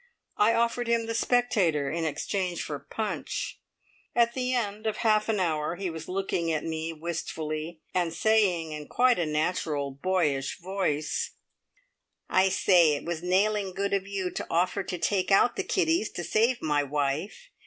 I offered him the Spectator in exchange for Punch. At the end of half an hour he was looking at me wistfully, and saying in quite a natural, boyish voice: "I say, it was nailing good of you to offer to take out the kiddies to save my wife.